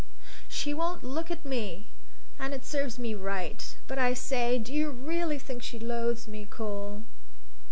So she won't look at me. And it serves me right. But I say do you really think she loathes me, Cole?"